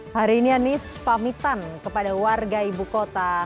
hari ini anies pamitan kepada warga ibu kota